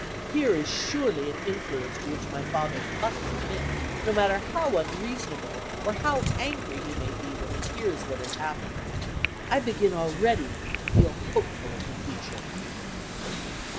Here is surely an influence to which my father must submit, no matter how unreasonable or how angry he may be when he hears what has happened. I begin already to feel hopeful of the future.